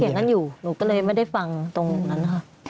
ผมเถียงนั้นอยู่หนูก็เลยไม่ได้ฟังตรงนั้นนะคะ